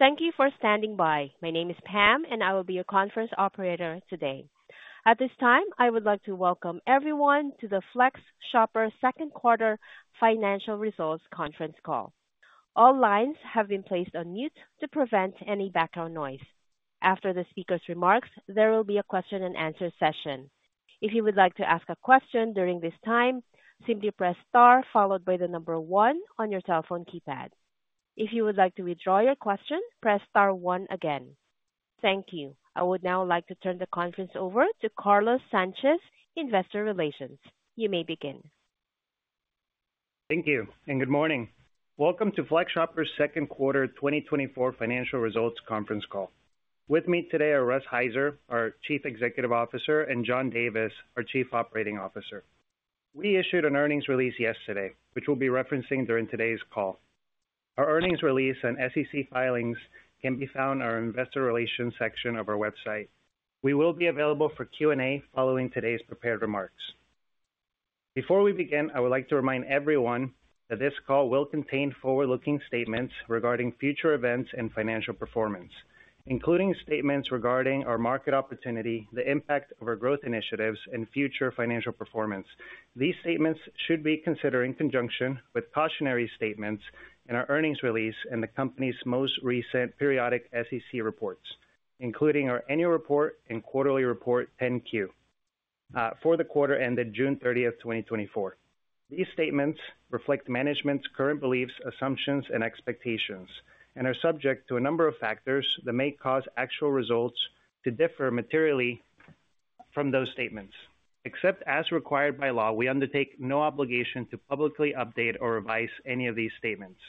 Thank you for standing by. My name is Pam, and I will be your conference operator today. At this time, I would like to welcome everyone to the FlexShopper second quarter financial results conference call. All lines have been placed on mute to prevent any background noise. After the speaker's remarks, there will be a question and answer session. If you would like to ask a question during this time, simply press star followed by the number one on your cell phone keypad. If you would like to withdraw your question, press star one again. Thank you. I would now like to turn the conference over to Carlos Sanchez, Investor Relations. You may begin. Thank you and good morning. Welcome to FlexShopper's second quarter 2024 financial results conference call. With me today are Russ Heiser, our Chief Executive Officer, and John Davis, our Chief Operating Officer. We issued an earnings release yesterday, which we'll be referencing during today's call. Our earnings release and SEC filings can be found on our investor relations section of our website. We will be available for Q&A following today's prepared remarks. Before we begin, I would like to remind everyone that this call will contain forward-looking statements regarding future events and financial performance, including statements regarding our market opportunity, the impact of our growth initiatives, and future financial performance. These statements should be considered in conjunction with cautionary statements in our earnings release and the company's most recent periodic SEC reports, including our annual report and quarterly report, 10-Q, for the quarter ended June 30, 2024. These statements reflect management's current beliefs, assumptions, and expectations and are subject to a number of factors that may cause actual results to differ materially from those statements. Except as required by law, we undertake no obligation to publicly update or revise any of these statements,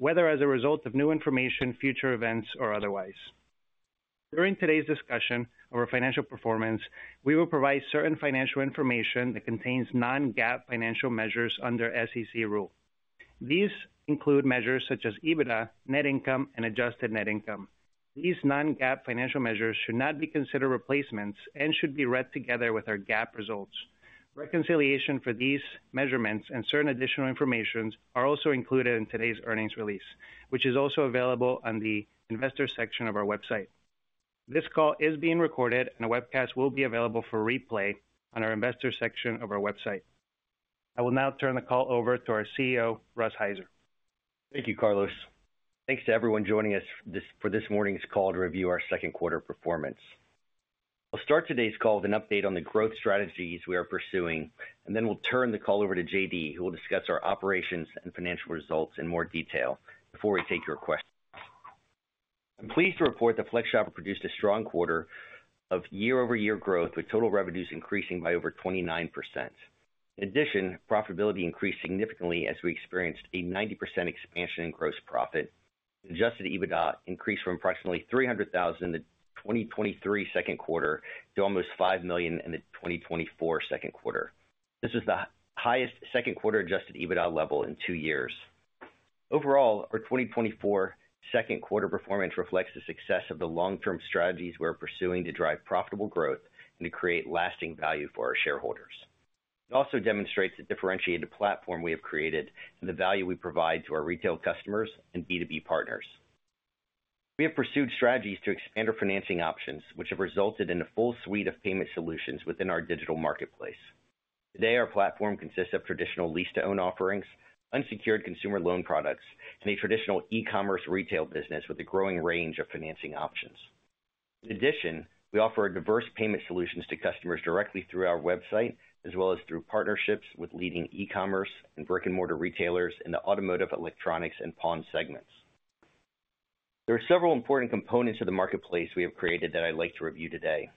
whether as a result of new information, future events, or otherwise. During today's discussion of our financial performance, we will provide certain financial information that contains non-GAAP financial measures under SEC rule. These include measures such as EBITDA, net income and adjusted net income. These non-GAAP financial measures should not be considered replacements and should be read together with our GAAP results. Reconciliation for these measurements and certain additional information are also included in today's earnings release, which is also available on the investor section of our website. This call is being recorded, and a webcast will be available for replay on our investor section of our website. I will now turn the call over to our CEO, Russ Heiser. Thank you, Carlos. Thanks to everyone joining us this morning's call to review our second quarter performance. I'll start today's call with an update on the growth strategies we are pursuing, and then we'll turn the call over to JD, who will discuss our operations and financial results in more detail before we take your questions. I'm pleased to report that FlexShopper produced a strong quarter of year-over-year growth, with total revenues increasing by over 29%. In addition, profitability increased significantly as we experienced a 90% expansion in gross profit. Adjusted EBITDA increased from approximately $300,000 in the 2023 second quarter to almost $5 million in the 2024 second quarter. This is the highest second quarter adjusted EBITDA level in two years. Overall, our 2024 second quarter performance reflects the success of the long-term strategies we are pursuing to drive profitable growth and to create lasting value for our shareholders. It also demonstrates the differentiated platform we have created and the value we provide to our retail customers and B2B partners. We have pursued strategies to expand our financing options, which have resulted in a full suite of payment solutions within our digital marketplace. Today, our platform consists of traditional lease-to-own offerings, unsecured consumer loan products, and a traditional e-commerce retail business with a growing range of financing options. In addition, we offer a diverse payment solutions to customers directly through our website, as well as through partnerships with leading e-commerce and brick-and-mortar retailers in the automotive, electronics, and pawn segments. There are several important components of the marketplace we have created that I'd like to review today.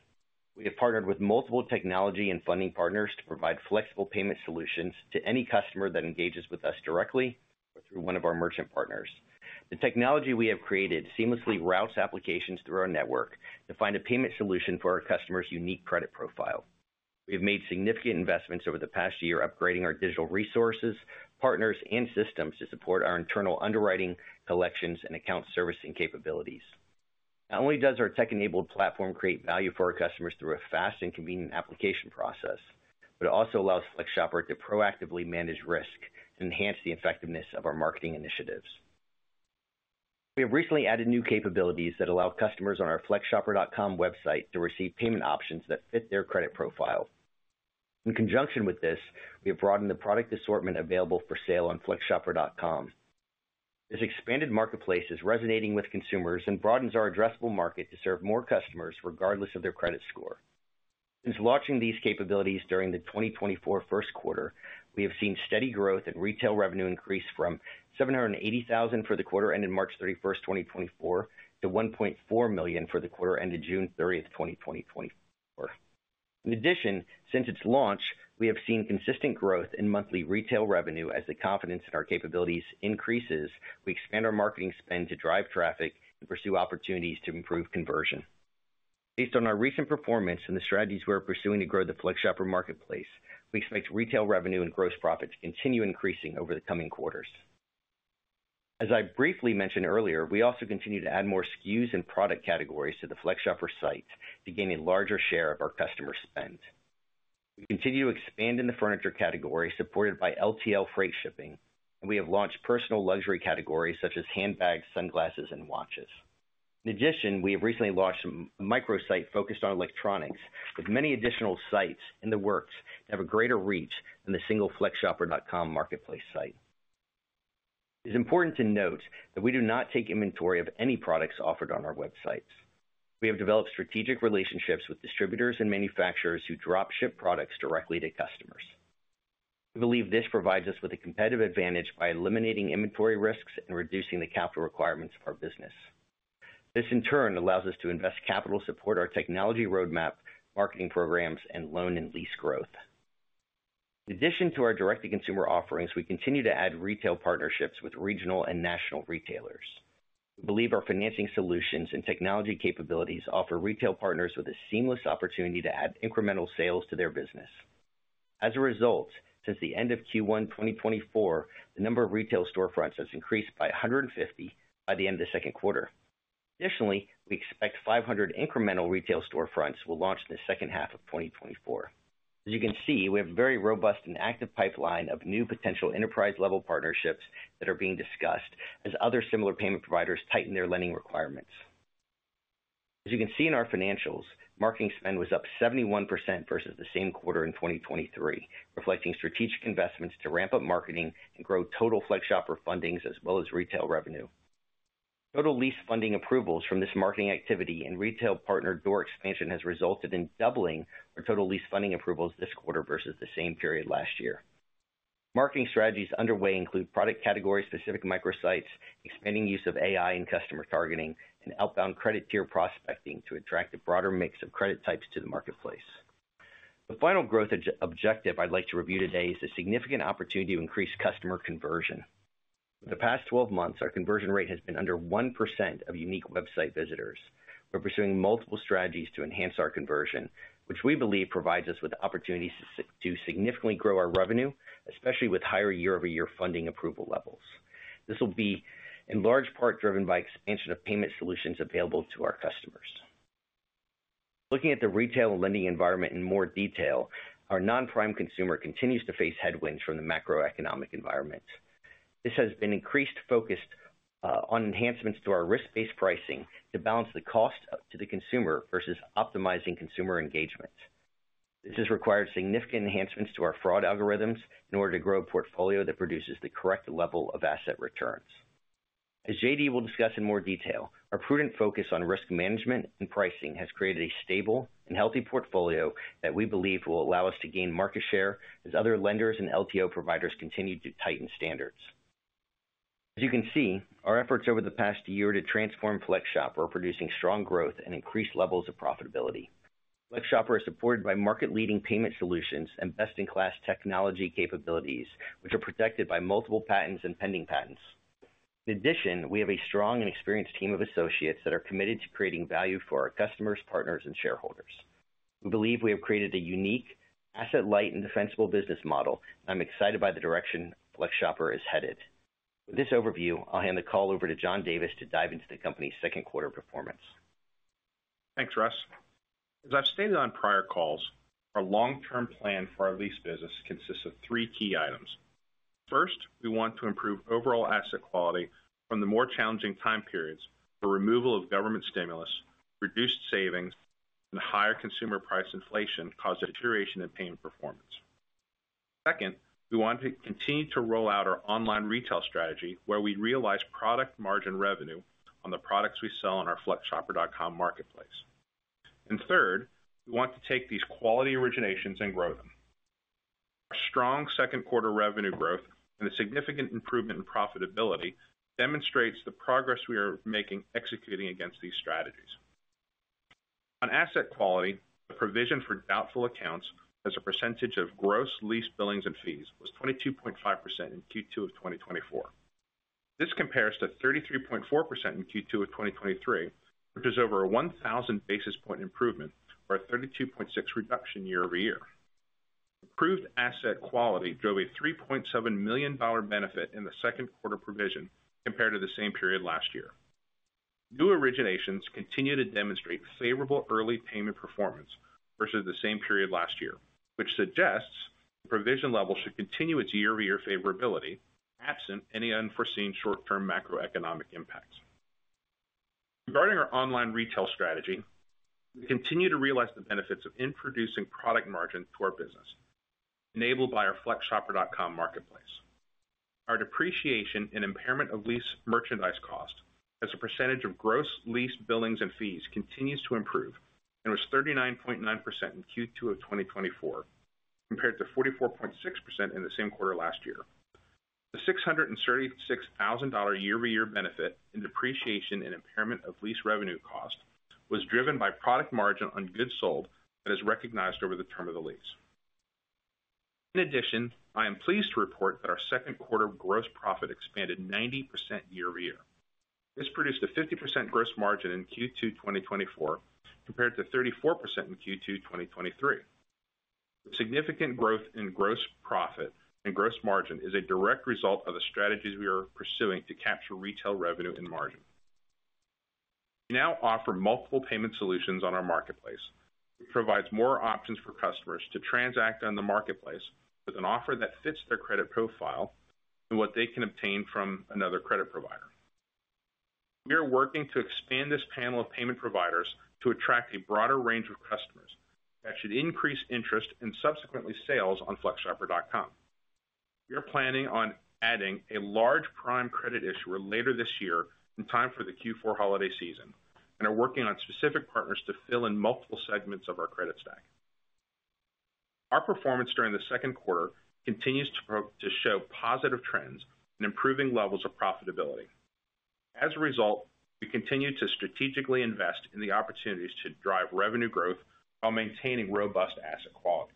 We have partnered with multiple technology and funding partners to provide flexible payment solutions to any customer that engages with us directly or through one of our merchant partners. The technology we have created seamlessly routes applications through our network to find a payment solution for our customers' unique credit profile. We have made significant investments over the past year, upgrading our digital resources, partners, and systems to support our internal underwriting, collections, and account servicing capabilities. Not only does our tech-enabled platform create value for our customers through a fast and convenient application process, but it also allows FlexShopper to proactively manage risk and enhance the effectiveness of our marketing initiatives. We have recently added new capabilities that allow customers on our flexshopper.com website to receive payment options that fit their credit profile. In conjunction with this, we have broadened the product assortment available for sale on flexshopper.com. This expanded marketplace is resonating with consumers and broadens our addressable market to serve more customers, regardless of their credit score. Since launching these capabilities during the 2024 first quarter, we have seen steady growth in retail revenue increase from $780,000 for the quarter ending March 31, 2024, to $1.4 million for the quarter ended June 30, 2024. In addition, since its launch, we have seen consistent growth in monthly retail revenue. As the confidence in our capabilities increases, we expand our marketing spend to drive traffic and pursue opportunities to improve conversion. Based on our recent performance and the strategies we are pursuing to grow the FlexShopper marketplace, we expect retail revenue and gross profit to continue increasing over the coming quarters. As I briefly mentioned earlier, we also continue to add more SKUs and product categories to the FlexShopper site to gain a larger share of our customer spend... We continue to expand in the furniture category, supported by LTL freight shipping, and we have launched personal luxury categories such as handbags, sunglasses, and watches. In addition, we have recently launched a microsite focused on electronics, with many additional sites in the works to have a greater reach than the single flexshopper.com marketplace site. It's important to note that we do not take inventory of any products offered on our websites. We have developed strategic relationships with distributors and manufacturers who drop-ship products directly to customers. We believe this provides us with a competitive advantage by eliminating inventory risks and reducing the capital requirements of our business. This, in turn, allows us to invest capital to support our technology roadmap, marketing programs, and loan and lease growth. In addition to our direct-to-consumer offerings, we continue to add retail partnerships with regional and national retailers. We believe our financing solutions and technology capabilities offer retail partners with a seamless opportunity to add incremental sales to their business. As a result, since the end of Q1 2024, the number of retail storefronts has increased by 150 by the end of the second quarter. Additionally, we expect 500 incremental retail storefronts will launch in the second half of 2024. As you can see, we have a very robust and active pipeline of new potential enterprise-level partnerships that are being discussed, as other similar payment providers tighten their lending requirements. As you can see in our financials, marketing spend was up 71% versus the same quarter in 2023, reflecting strategic investments to ramp up marketing and grow total FlexShopper fundings as well as retail revenue. Total lease funding approvals from this marketing activity and retail partner door expansion has resulted in doubling our total lease funding approvals this quarter versus the same period last year. Marketing strategies underway include product category-specific microsites, expanding use of AI and customer targeting, and outbound credit tier prospecting to attract a broader mix of credit types to the marketplace. The final growth objective I'd like to review today is the significant opportunity to increase customer conversion. For the past 12 months, our conversion rate has been under 1% of unique website visitors. We're pursuing multiple strategies to enhance our conversion, which we believe provides us with opportunities to to significantly grow our revenue, especially with higher year-over-year funding approval levels. This will be in large part driven by expansion of payment solutions available to our customers. Looking at the retail and lending environment in more detail, our non-prime consumer continues to face headwinds from the macroeconomic environment. This has been increased focus on enhancements to our risk-based pricing to balance the cost up to the consumer versus optimizing consumer engagement. This has required significant enhancements to our fraud algorithms in order to grow a portfolio that produces the correct level of asset returns. As JD will discuss in more detail, our prudent focus on risk management and pricing has created a stable and healthy portfolio that we believe will allow us to gain market share as other lenders and LTO providers continue to tighten standards. As you can see, our efforts over the past year to transform FlexShopper are producing strong growth and increased levels of profitability. FlexShopper is supported by market-leading payment solutions and best-in-class technology capabilities, which are protected by multiple patents and pending patents. In addition, we have a strong and experienced team of associates that are committed to creating value for our customers, partners, and shareholders. We believe we have created a unique, asset-light, and defensible business model, and I'm excited by the direction FlexShopper is headed. With this overview, I'll hand the call over to John Davis to dive into the company's second quarter performance. Thanks, Russ. As I've stated on prior calls, our long-term plan for our lease business consists of three key items. First, we want to improve overall asset quality from the more challenging time periods. The removal of government stimulus, reduced savings, and higher consumer price inflation caused a deterioration in payment performance. Second, we want to continue to roll out our online retail strategy, where we realize product margin revenue on the products we sell on our flexshopper.com marketplace. And third, we want to take these quality originations and grow them. Our strong second quarter revenue growth and a significant improvement in profitability demonstrates the progress we are making executing against these strategies. On asset quality, the provision for doubtful accounts as a percentage of gross lease billings and fees was 22.5% in Q2 of 2024. This compares to 33.4% in Q2 of 2023, which is over a 1,000 basis point improvement or a 32.6 reduction year-over-year. Improved asset quality drove a $3.7 million benefit in the second quarter provision compared to the same period last year. New originations continue to demonstrate favorable early payment performance versus the same period last year, which suggests the provision level should continue its year-over-year favorability, absent any unforeseen short-term macroeconomic impacts. Regarding our online retail strategy, we continue to realize the benefits of introducing product margin to our business, enabled by our flexshopper.com marketplace. Our depreciation and impairment of lease merchandise cost as a percentage of gross lease billings and fees continues to improve, and was 39.9% in Q2 of 2024, compared to 44.6% in the same quarter last year. The $636,000 year-over-year benefit in depreciation and impairment of lease revenue cost was driven by product margin on goods sold that is recognized over the term of the lease. In addition, I am pleased to report that our second quarter gross profit expanded 90% year-over-year. This produced a 50% gross margin in Q2 2024, compared to 34% in Q2 2023. Significant growth in gross profit and gross margin is a direct result of the strategies we are pursuing to capture retail revenue and margin... We now offer multiple payment solutions on our marketplace. It provides more options for customers to transact on the marketplace with an offer that fits their credit profile and what they can obtain from another credit provider. We are working to expand this panel of payment providers to attract a broader range of customers that should increase interest and subsequently sales on flexshopper.com. We are planning on adding a large prime credit issuer later this year in time for the Q4 holiday season, and are working on specific partners to fill in multiple segments of our credit stack. Our performance during the second quarter continues to show positive trends and improving levels of profitability. As a result, we continue to strategically invest in the opportunities to drive revenue growth while maintaining robust asset quality.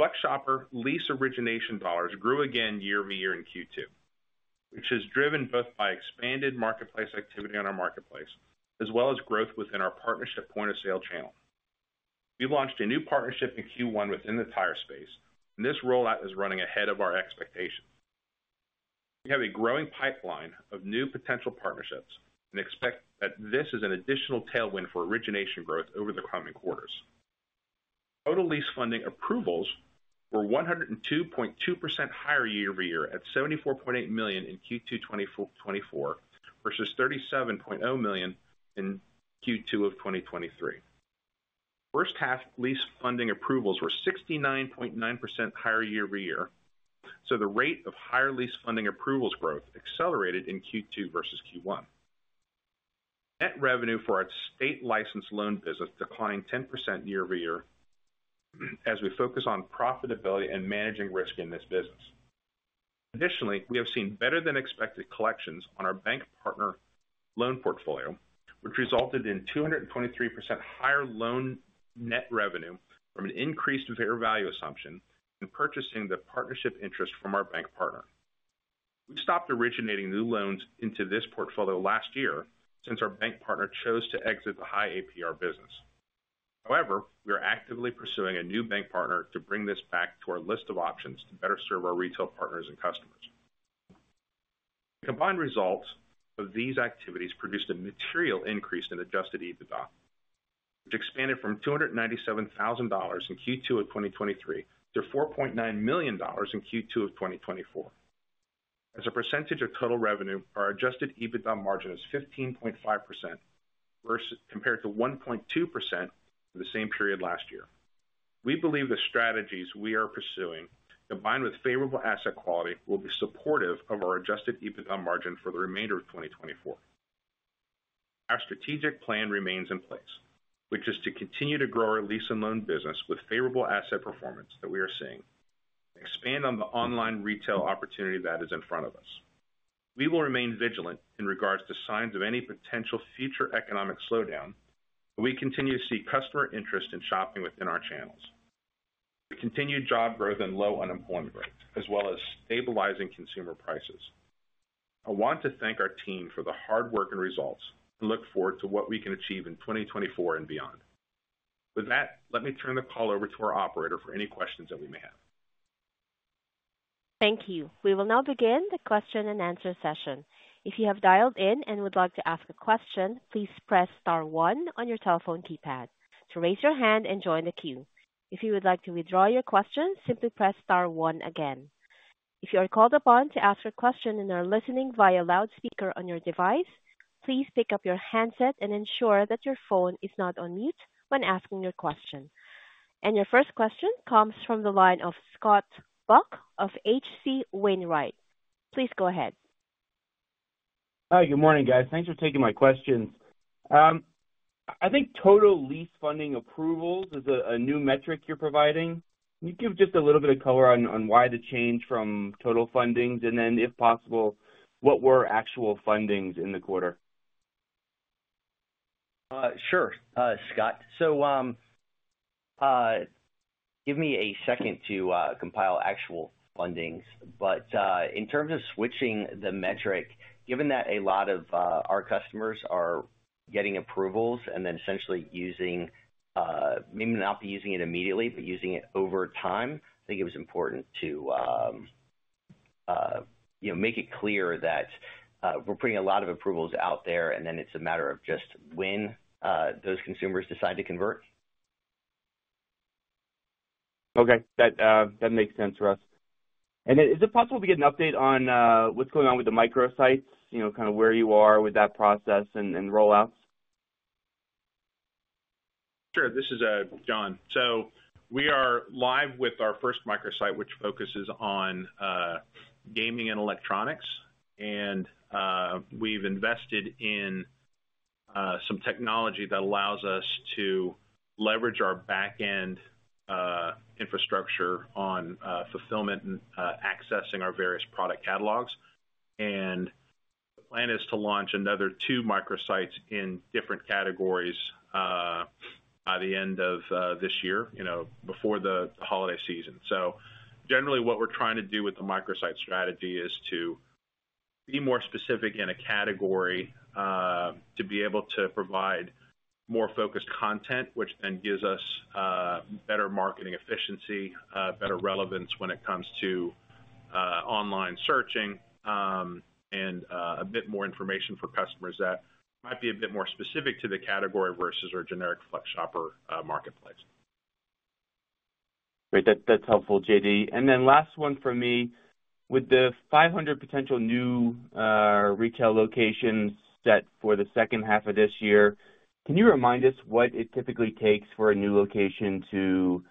FlexShopper lease origination dollars grew again year-over-year in Q2, which is driven both by expanded marketplace activity on our marketplace, as well as growth within our partnership point-of-sale channel. We launched a new partnership in Q1 within the tire space, and this rollout is running ahead of our expectations. We have a growing pipeline of new potential partnerships and expect that this is an additional tailwind for origination growth over the coming quarters. Total lease funding approvals were 102.2% higher year-over-year, at $74.8 million in Q2 2024 versus $37.0 million in Q2 of 2023. First half lease funding approvals were 69.9% higher year-over-year, so the rate of higher lease funding approvals growth accelerated in Q2 versus Q1. Net revenue for our state licensed loan business declined 10% year-over-year, as we focus on profitability and managing risk in this business. Additionally, we have seen better than expected collections on our bank partner loan portfolio, which resulted in 223% higher loan net revenue from an increased fair value assumption in purchasing the partnership interest from our bank partner. We stopped originating new loans into this portfolio last year since our bank partner chose to exit the high APR business. However, we are actively pursuing a new bank partner to bring this back to our list of options to better serve our retail partners and customers. The combined results of these activities produced a material increase in adjusted EBITDA, which expanded from $297,000 in Q2 of 2023 to $4.9 million in Q2 of 2024. As a percentage of total revenue, our adjusted EBITDA margin is 15.5%, compared to 1.2% for the same period last year. We believe the strategies we are pursuing, combined with favorable asset quality, will be supportive of our adjusted EBITDA margin for the remainder of 2024. Our strategic plan remains in place, which is to continue to grow our lease and loan business with favorable asset performance that we are seeing, expand on the online retail opportunity that is in front of us. We will remain vigilant in regards to signs of any potential future economic slowdown, but we continue to see customer interest in shopping within our channels, the continued job growth and low unemployment rates, as well as stabilizing consumer prices. I want to thank our team for the hard work and results, and look forward to what we can achieve in 2024 and beyond. With that, let me turn the call over to our operator for any questions that we may have. Thank you. We will now begin the question-and-answer session. If you have dialed in and would like to ask a question, please press star one on your telephone keypad to raise your hand and join the queue. If you would like to withdraw your question, simply press star one again. If you are called upon to ask a question and are listening via loudspeaker on your device, please pick up your handset and ensure that your phone is not on mute when asking your question. Your first question comes from the line of Scott Buck of H.C. Wainwright. Please go ahead. Hi, good morning, guys. Thanks for taking my questions. I think total lease funding approvals is a new metric you're providing. Can you give just a little bit of color on, on why the change from total fundings, and then, if possible, what were actual fundings in the quarter? Sure, Scott. So, give me a second to compile actual fundings. But, in terms of switching the metric, given that a lot of our customers are getting approvals and then essentially using... maybe not be using it immediately, but using it over time, I think it was important to, you know, make it clear that, we're putting a lot of approvals out there, and then it's a matter of just when those consumers decide to convert. Okay. That makes sense for us. And then, is it possible to get an update on what's going on with the microsites? You know, kind of where you are with that process and rollouts. Sure. This is John. So we are live with our first microsite, which focuses on gaming and electronics. And we've invested in some technology that allows us to leverage our back-end infrastructure on fulfillment and accessing our various product catalogs. And the plan is to launch another two microsites in different categories by the end of this year, you know, before the holiday season. So generally, what we're trying to do with the microsite strategy is to be more specific in a category to be able to provide more focused content, which then gives us better marketing efficiency, better relevance when it comes to online searching, and a bit more information for customers that might be a bit more specific to the category versus our generic FlexShopper marketplace. Great. That, that's helpful, JD. And then last one from me. With the 500 potential new retail locations set for the second half of this year, can you remind us what it typically takes for a new location to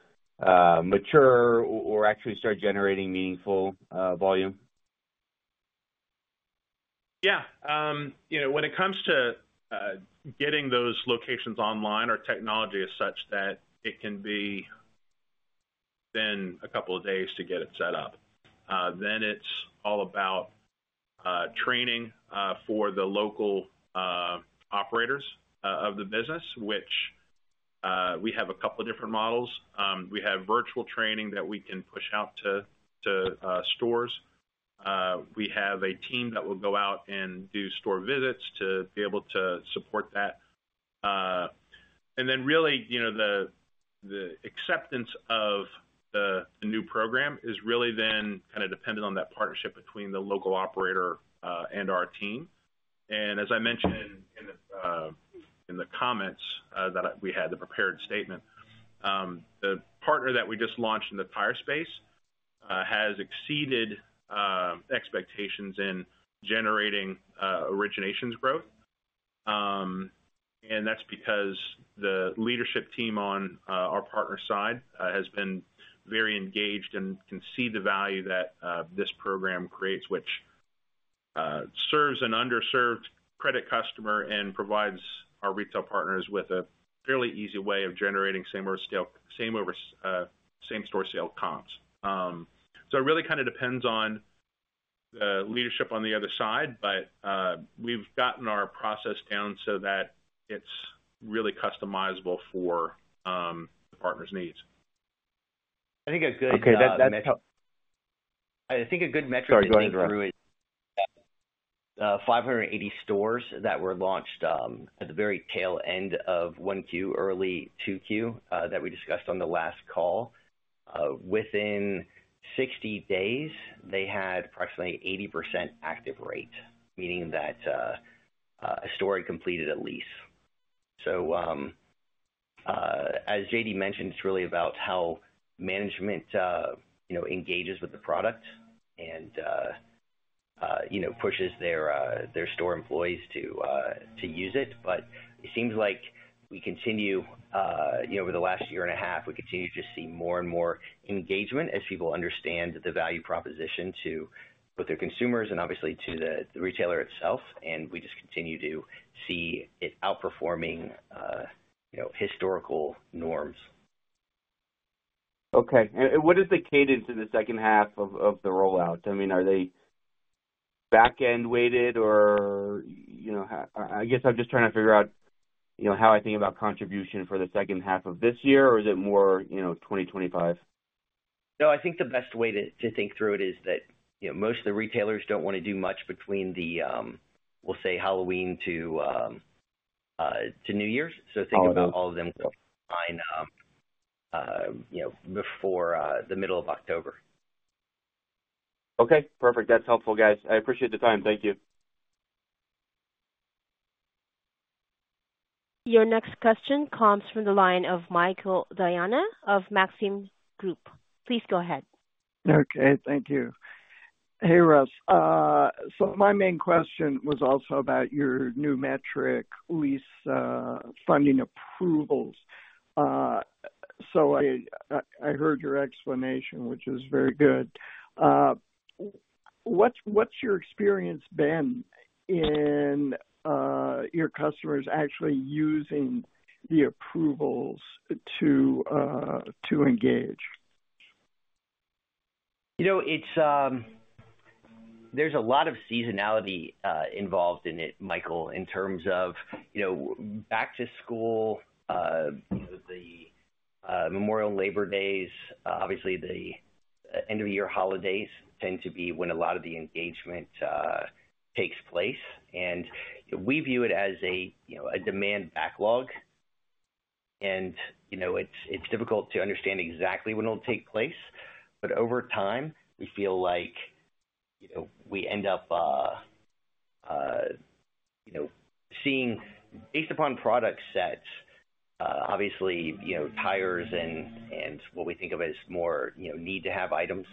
mature or, or actually start generating meaningful volume? Yeah. You know, when it comes to getting those locations online, our technology is such that it can be then a couple of days to get it set up. Then it's all about training for the local operators of the business, which we have a couple of different models. We have virtual training that we can push out to stores. We have a team that will go out and do store visits to be able to support that. And then really, you know, the acceptance of the new program is really then kind of dependent on that partnership between the local operator and our team. As I mentioned in the comments that we had the prepared statement, the partner that we just launched in the tire space has exceeded expectations in generating originations growth. And that's because the leadership team on our partner side has been very engaged and can see the value that this program creates, which serves an underserved credit customer and provides our retail partners with a fairly easy way of generating same over same store sale comps. So it really kind of depends on the leadership on the other side, but we've gotten our process down so that it's really customizable for the partner's needs. I think a good, metric- Okay, that help- I think a good metric- Sorry, go ahead, Russ. 580 stores that were launched, at the very tail end of 1 Q, early 2 Q, that we discussed on the last call. Within 60 days, they had approximately 80% active rate, meaning that a store had completed a lease. So, as JD mentioned, it's really about how management, you know, engages with the product and, you know, pushes their, their store employees to, to use it. But it seems like we continue, you know, over the last year and a half, we continue to see more and more engagement as people understand the value proposition to both their consumers and obviously to the, the retailer itself. And we just continue to see it outperforming, you know, historical norms. Okay. And what is the cadence in the second half of the rollout? I mean, are they back-end weighted or, you know... I guess I'm just trying to figure out, you know, how I think about contribution for the second half of this year, or is it more, you know, 2025? No, I think the best way to think through it is that, you know, most of the retailers don't want to do much between the, we'll say, Halloween to New Year's. Halloween. Think about all of them, you know, before the middle of October. Okay, perfect. That's helpful, guys. I appreciate the time. Thank you. Your next question comes from the line of Michael Diana of Maxim Group. Please go ahead. Okay, thank you. Hey, Russ. So my main question was also about your new metric lease funding approvals. So I heard your explanation, which is very good. What's your experience been in your customers actually using the approvals to engage? You know, it's. There's a lot of seasonality involved in it, Michael, in terms of, you know, back to school, the Memorial, Labor Days. Obviously, the end-of-year holidays tend to be when a lot of the engagement takes place. And we view it as a, you know, a demand backlog. And, you know, it's difficult to understand exactly when it'll take place, but over time, we feel like, you know, we end up, you know, seeing based upon product sets, obviously, you know, tires and what we think of as more, you know, need to have items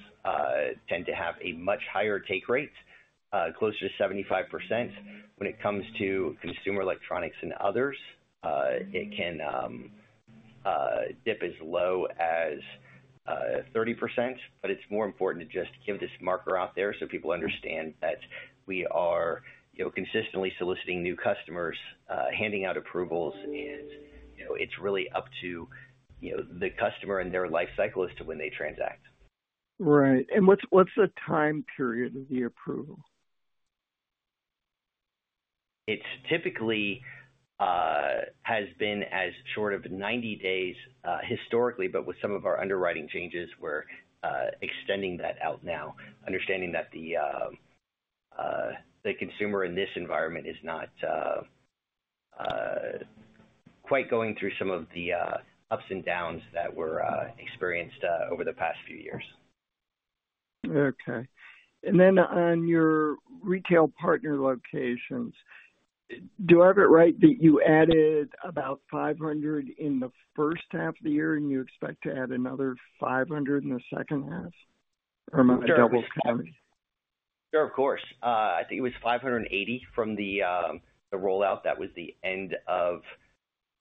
tend to have a much higher take rate closer to 75%. When it comes to consumer electronics and others, it can dip as low as 30%, but it's more important to just give this marker out there so people understand that we are, you know, consistently soliciting new customers, handing out approvals, and, you know, it's really up to, you know, the customer and their life cycle as to when they transact. Right. And what's the time period of the approval? It's typically has been as short as 90 days historically, but with some of our underwriting changes, we're extending that out now, understanding that the consumer in this environment is not quite going through some of the ups and downs that were experienced over the past few years. Okay. And then on your retail partner locations, do I have it right that you added about 500 in the first half of the year, and you expect to add another 500 in the second half, or am I double counting? Sure, of course. I think it was 580 from the rollout that was the end of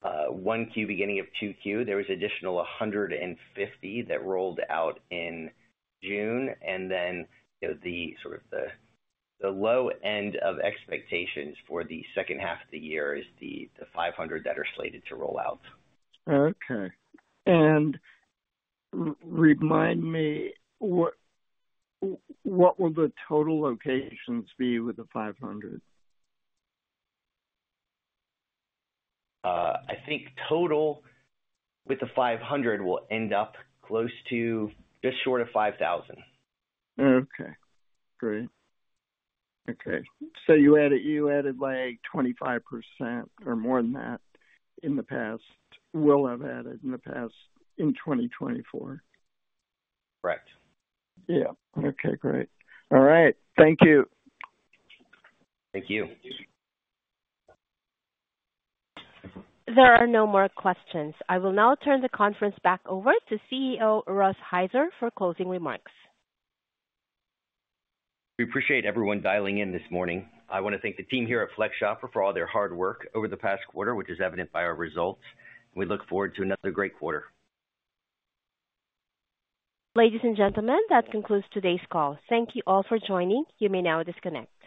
Q1, beginning of Q2. There was an additional 150 that rolled out in June, and then, you know, the low end of expectations for the second half of the year is the 500 that are slated to roll out. Okay. Remind me, what will the total locations be with the 500? I think total with the 500 will end up close to just short of 5,000. Okay, great. Okay, so you added, you added, like, 25% or more than that in the past, will have added in the past, in 2024? Correct. Yeah. Okay, great. All right. Thank you. Thank you. There are no more questions. I will now turn the conference back over to CEO Russ Heiser for closing remarks. We appreciate everyone dialing in this morning. I want to thank the team here at FlexShopper for all their hard work over the past quarter, which is evident by our results, and we look forward to another great quarter. Ladies and gentlemen, that concludes today's call. Thank you all for joining. You may now disconnect.